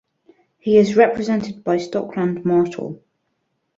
He is represented by Stockland Martel.